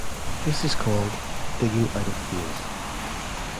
This is called "digging out of phase".